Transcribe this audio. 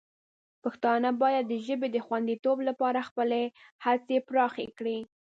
پښتانه باید د ژبې د خوندیتوب لپاره خپلې هڅې پراخې کړي.